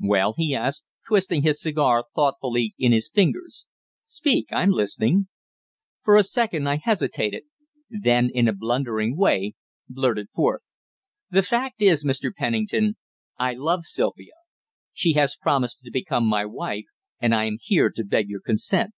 "Well?" he asked, twisting his cigar thoughtfully in his fingers. "Speak; I'm listening." For a second I hesitated. Then, in a blundering way, blurted forth "The fact is, Mr. Pennington, I love Sylvia! She has promised to become my wife, and I am here to beg your consent."